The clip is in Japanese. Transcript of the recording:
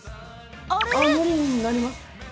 のりになります。